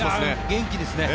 元気ですね。